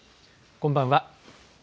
こんばんは。